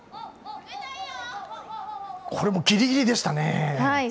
これもギリギリでしたね。